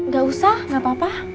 gak usah gak apa apa